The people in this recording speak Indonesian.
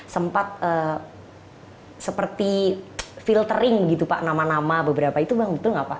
sempat seperti filtering gitu pak nama nama beberapa itu bang betul nggak pak